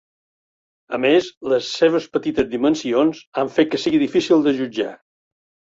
A més, les seves petites dimensions ha fet que sigui difícil de jutjar.